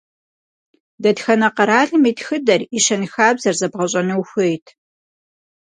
Дэтхэнэ къэралым и тхыдэр и щэнхабзэр зэбгъэщӏэну ухуейт?